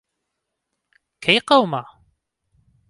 کەی قەوما؟